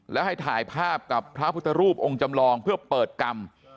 และให้ถ่ายภาพกับพระพุทธรูปองค์จำลองเพื่อเปิดกรรม